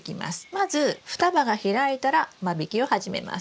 まず双葉が開いたら間引きを始めます。